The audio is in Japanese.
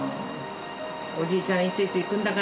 「おじいちゃんいついつ行くんだからね」